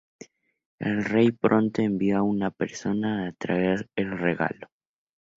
El rey pronto envió a una persona a traer el regalo.